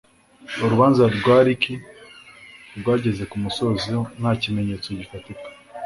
Urubanza rwa Ricky rwageze Ku musozo nta kimenyetso gifatika